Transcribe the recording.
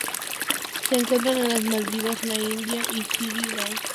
Se encuentran en las Maldivas, la India y Sri Lanka.